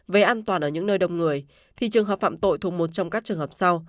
về an toàn ở những nơi đông người thì trường hợp phạm tội thuộc một trong các trường hợp sau